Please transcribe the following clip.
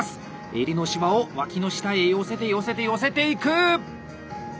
襟のシワを脇の下へ寄せて寄せて寄せていく！